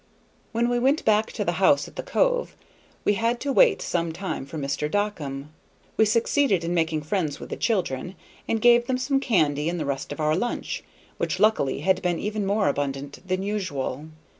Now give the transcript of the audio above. When we went back to the house at the cove we had to wait some time for Mr. Dockum. We succeeded in making friends with the children, and gave them some candy and the rest of our lunch, which luckily had been even more abundant than usual.